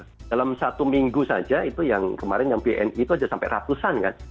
karena dalam satu minggu saja itu yang kemarin yang bni itu saja sampai ratusan kan